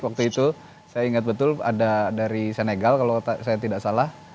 waktu itu saya ingat betul ada dari senegal kalau saya tidak salah